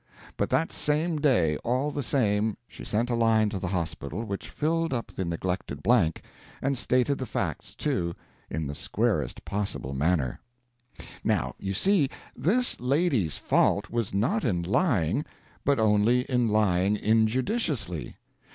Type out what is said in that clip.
But that same day, all the same, she sent a line to the hospital which filled up the neglected blank, and stated the facts, too, in the squarest possible manner. Now, you see, this lady's fault was not in lying, but only in lying injudiciously.